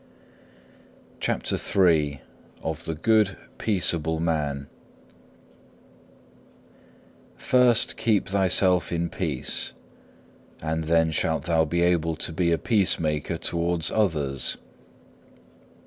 CHAPTER III Of the good, peaceable man First keep thyself in peace, and then shalt thou be able to be a peacemaker towards others.